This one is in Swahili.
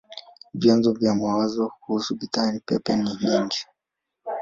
Vyanzo vya mawazo kuhusu bidhaa pepe ni nyingi.